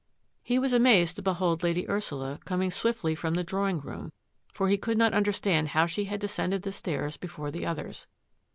He was amazed to behold Lady Ursula coming swiftly from the drawing room, for he could not understand how she had descended the stairs be fore the others.